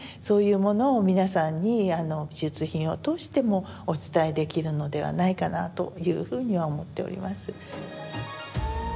そういうものを皆さんに美術品を通してもお伝えできるのではないかなというふうには思っております。